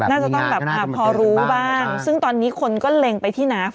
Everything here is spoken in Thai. น่าจะต้องแบบพอรู้บ้างซึ่งตอนนี้คนก็เล็งไปที่น้ำ